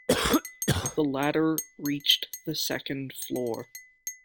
The ladder reached the second floor.